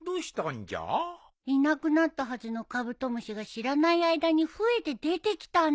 いなくなったはずのカブトムシが知らない間に増えて出てきたんだよ。